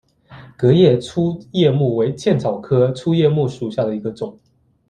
革叶粗叶木为茜草科粗叶木属下的一个种。